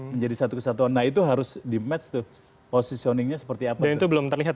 menjadi satu kesatuan itu harus dimatch tuh posisioningnya seperti apa itu belum terlihat